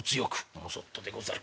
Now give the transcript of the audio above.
「もそっとでござるか。